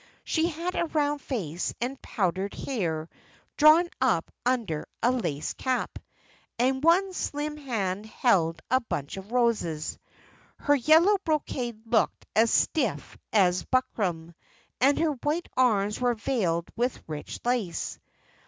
She had a round face and powdered hair drawn up under a lace cap, and one slim hand held a bunch of roses. Her yellow brocade looked as stiff as buckram, and her white arms were veiled with rich lace.